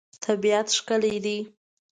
طبیعت ښکلی دی.